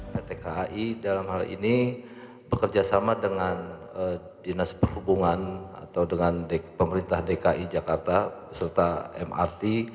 pt kai dalam hal ini bekerjasama dengan dinas perhubungan atau dengan pemerintah dki jakarta serta mrt